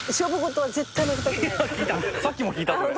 さっきも聞いたそれ。